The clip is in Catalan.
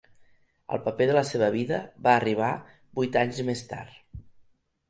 El paper de la seva vida va arribar vuit anys més tard.